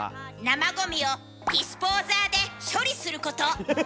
生ごみをディスポーザーで処理すること。